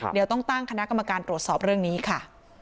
เดี๋ยวต้องตั้งคณะกรรมการตรวจสอบเรื่องนี้ค่ะ